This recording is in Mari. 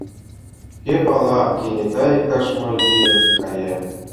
Кӧ пала, а кенета иктаж-мо лийын кая.